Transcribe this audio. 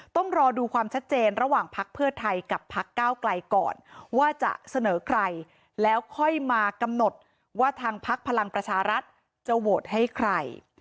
ต้องรอดูความชัดเจนระหว่างพักเพื่อไทยกับพักก้าวไกลก่อนว่าจะเสนอใครแล้วค่อยมากำหนดว่าทางพักพลังประชารัฐจะโหวตให้ใคร